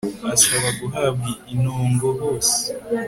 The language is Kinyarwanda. Asaba guhabwa intongo hose